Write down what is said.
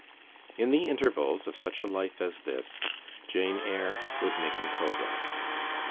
In the intervals of such a life as this, "Jane Eyre" was making progress.